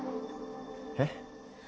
えっ？